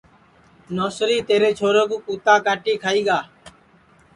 نوسری تیرے چھورے کُو کُوتا کاٹی کھائی گا